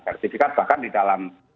jadi kan bahkan di dalam